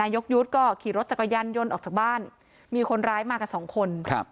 ยกยุทธ์ก็ขี่รถจักรยานยนต์ออกจากบ้านมีคนร้ายมากับสองคนครับ